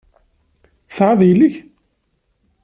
Tesεiḍ yelli-k?